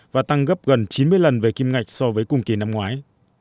và tăng gấp gần chín mươi lần về kim ngạch so với cùng kỳ năm ngoái